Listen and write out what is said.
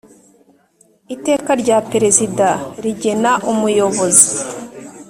Iteka rya Perezida rigena Umuyobozi